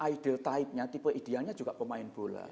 ideal type nya tipe idealnya juga pemain bola